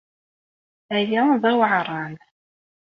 Aya d aweɛṛan.